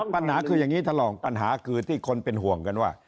ปัญหาคืออย่างนี้ท่านรองปัญหาคือที่คนเป็นห่วงกันว่า